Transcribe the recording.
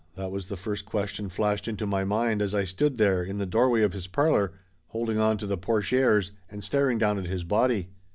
That was the first question flashed into my mind as I stood there in the doorway of his parlor, holding on to the portieres and staring down at his body.